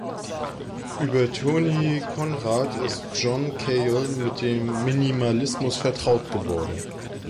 Über Tony Conrad ist John Cale mit dem Minimalismus vertraut geworden.